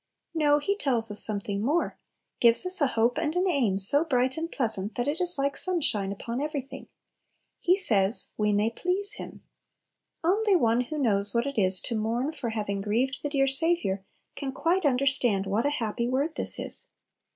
No; He tells us something more, gives us a hope and an aim so bright and pleasant, that it is like sunshine upon everything. He says, we "may please Him." Only one who knows what it is to mourn for having grieved the dear Saviour, can quite understand what a happy word this is!